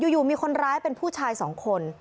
อยู่มีคนร้ายเป็นผู้ชาย๒คน